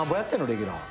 レギュラー。